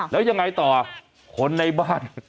แล้วยังไงต่อคนในบ้าน